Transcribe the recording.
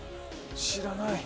知らない。